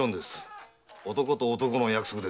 男と男の約束です。